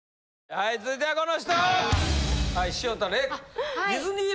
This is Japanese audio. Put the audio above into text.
はい続いてはこの人！